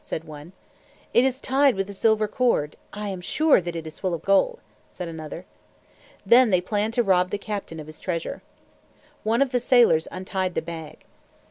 said one. "It is tied with a silver cord. I am sure that it is full of gold," said another. Then they planned to rob the captain of his treasure. One of the sailors untied the bag.